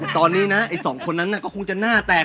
ตอนนี้นะไอ้สองคนนั้นก็คงจะหน้าแตก